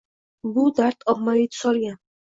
Bu dard ommaviy tus olgan.